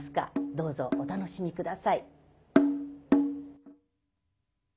どうぞお楽しみ下さい。